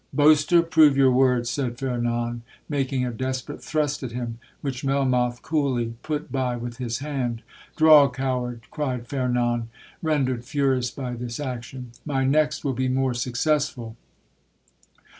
'—'Boaster, prove your words!' said Fernan, making a desperate thrust at him, which Melmoth coolly put by with his hand. 'Draw, coward!' cried Fernan, rendered furious by this action—'My next will be more successful!'